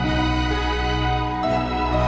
kamu nggak bisa bercudi